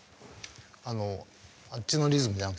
あのあっちのリズムじゃなくて。